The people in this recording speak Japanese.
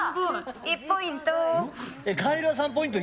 １ポイント！